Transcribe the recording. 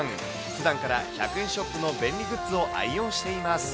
ふだんから１００円ショップの便利グッズを愛用しています。